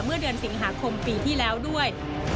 เมื่อเดือนสิงหาคมปีที่แล้วด้วย